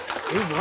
何？